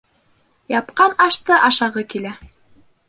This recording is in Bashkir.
Япҡан ашты ашағы килә.